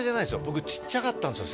僕ちっちゃかったんですよ